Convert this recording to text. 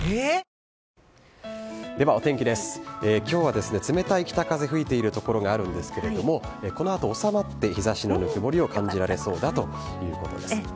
きょうは冷たい北風、吹いている所があるんですけれども、このあと収まって、日ざしのぬくもりを感じられそうだということです。